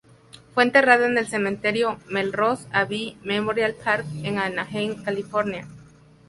Fue enterrada en el Cementerio Melrose Abbey Memorial Park, en Anaheim, California.